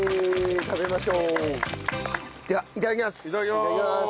ではいただきます。